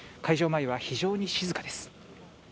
前は非常に静かです。